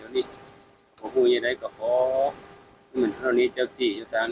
น่าหนึ่งไม่ได้กลับไป